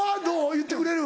言ってくれる？